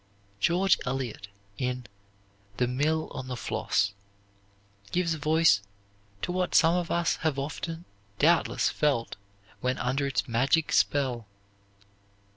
George Eliot, in "The Mill on the Floss," gives voice to what some of us have often, doubtless, felt, when under its magic spell.